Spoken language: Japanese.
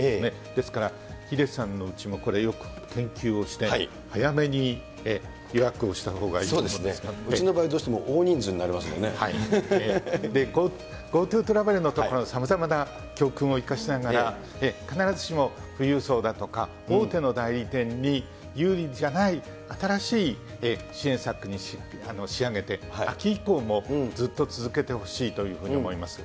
ですから、ヒデさんのうちもこれよく、研究をして、早めに予約をしたほうちの場合、どうしても大人ＧｏＴｏトラベルのとき、さまざまな教訓を生かしながら、必ずしも富裕層だとか、大手の代理店に、有利じゃない新しい支援策に仕上げて、秋以降もずっと続けてほしいというふうに思います。